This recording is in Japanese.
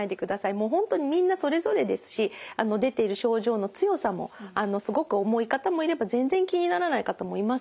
もう本当にみんなそれぞれですし出ている症状の強さもすごく重い方もいれば全然気にならない方もいますのでね。